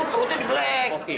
perutnya di bleng